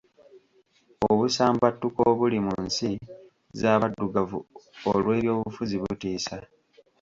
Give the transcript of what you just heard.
Obusambattuko obuli mu nsi z'abaddugavu olw'ebyobufuzi butiisa.